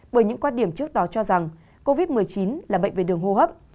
bởi những quan điểm trước đó cho rằng covid một mươi chín là bệnh về đường hô hấp